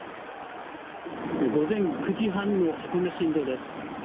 午前９時半の箱根新道です。